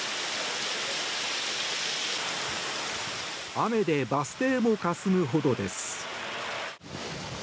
雨でバス停もかすむほどです。